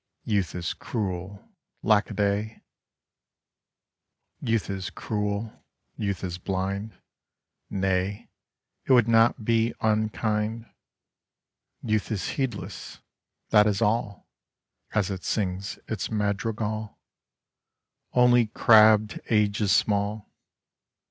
Youth is cruel, lackadayl Youth is cruel, youth is blind; Nay, it would not be unkind. Youth is heedless, — that is all, As it sings its madrigal; Only crabbed Age is small.